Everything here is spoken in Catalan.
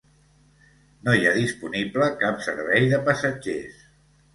No hi ha disponible cap servei de passatgers.